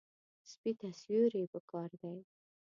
سپي ته سیوري پکار دی.